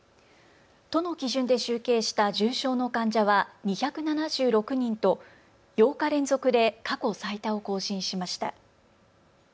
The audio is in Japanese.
都の基準で集計した重症の患者は２７６人と８日連続で過去最多を更新しました。